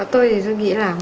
tôi thì tôi nghĩ là ngoài nhịp